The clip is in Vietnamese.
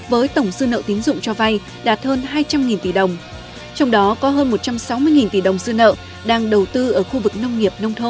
với tổng dư nợ tín dụng cho vai đạt hơn hai trăm linh tỷ đồng